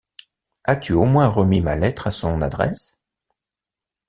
As-tu au moins remis ma lettre à son adresse?